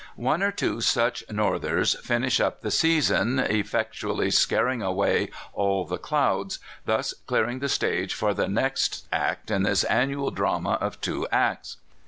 One or two such "northers" finish up the season, effectually scaring away all the clouds, thus clear ing the stage for the next act in this annual drama of two acts.